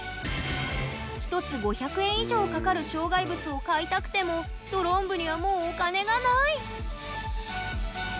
かかる障害物を買いたくてもドローン部にはもうお金がない！